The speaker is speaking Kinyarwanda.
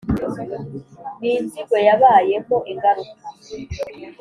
Ni inzigo yabayemo ingaruka !